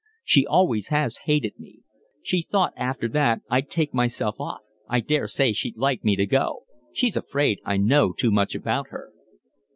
She always has hated me. She thought after that I'd take myself off. I daresay she'd like me to go. She's afraid I know too much about her."